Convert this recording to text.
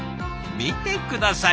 見て下さい。